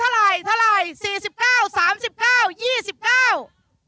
เร็ว